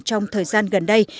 trong thời gian gần đây